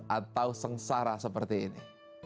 atau sengsara seperti ini